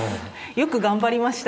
よく頑張りました。